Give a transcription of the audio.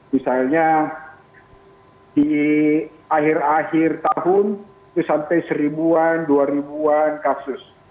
misalnya di akhir akhir tahun sampai seribuan dua ribuan kasus